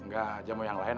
gak jamu yang lain